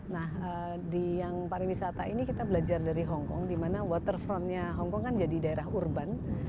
nah di yang pariwisata ini kita belajar dari hongkong di mana waterfrontnya hongkong kan jadi daerah urban